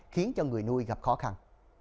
khiến cho người nuôi gặp khó khăn